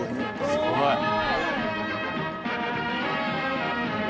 すごい！